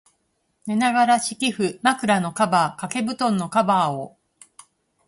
寝ながら、敷布、枕のカバー、掛け蒲団のカバーを、